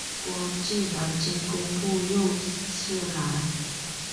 官至南京工部右侍郎。